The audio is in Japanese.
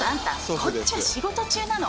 こっちは仕事中なの。